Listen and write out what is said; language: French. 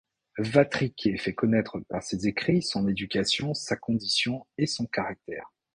Watriquet fait connaître, par ses écrits, son éducation, sa condition et son caractère.